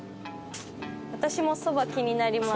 私もそば気になります。